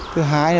thứ hai là